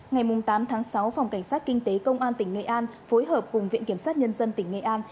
ngày tám tháng sáu phòng cảnh sát kinh tế công an tỉnh nghệ an phối hợp cùng viện kiểm sát nhân dân tỉnh nghệ an